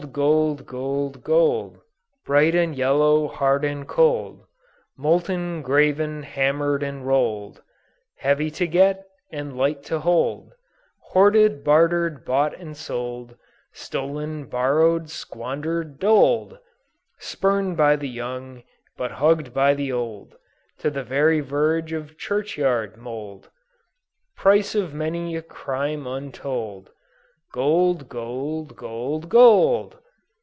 Gold! Gold! Gold! Bright and yellow, hard and cold, Molten, graven, hammer'd, and roll'd; Heavy to get, and light to hold; Hoarded, barter'd, bought, and sold, Stolen, borrow'd, squander'd, doled: Spurn'd by the young, but hugg'd by the old To the very verge of the churchyard mould; Price of many a crime untold; Gold! Gold! Gold! Gold!